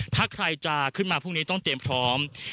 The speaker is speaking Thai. ถ้าใครจะขึ้นมาพรุ่งนี้ต้องเตรียมพร้อม